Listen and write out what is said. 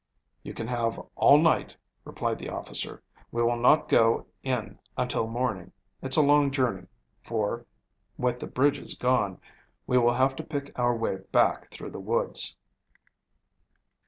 "You can have all night," replied the officer. "We will not go in until morning. It's a long journey, for, with the bridges gone, we will have to pick our way back through the woods."